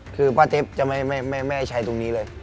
คือป้าเต็ปจะไม่ให้ใช้ตรงนี้เลย